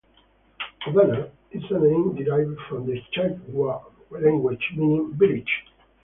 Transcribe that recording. Odanah is a name derived from the Chippewa language meaning "village".